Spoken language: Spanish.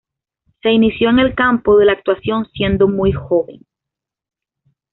Se inició en el campo de la actuación siendo muy joven.